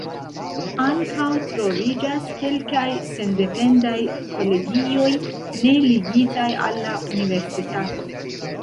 Ankaŭ troviĝas kelkaj sendependaj kolegioj ne ligitaj al la universitato.